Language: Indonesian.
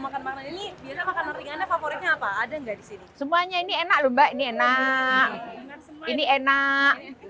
makanan makanan favoritnya apa ada enggak di sini semuanya ini enak lomba ini enak ini enak